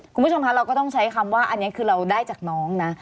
คุณผู้ชมคะเราก็ต้องใช้คำว่าอันนี้คือเราได้จากน้องนะ